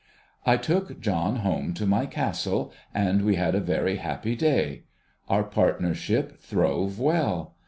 1 took John home to my Castle, and we had a very happy day. Our partnership throve well.